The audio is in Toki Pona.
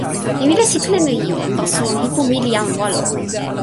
mi wile sitelen e ijo, taso lipu mi li awen walo.